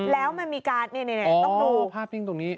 แล้วมันมีการต้องดูภาพนิ่งตรงนี้